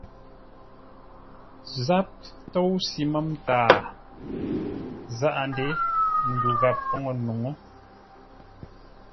Záp tóusʉ mə̂m-taa, záʼa-ndě ndu ghap poŋə́ nuŋú.